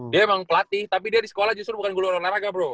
dia emang pelatih tapi dia di sekolah justru bukan guru olahraga bro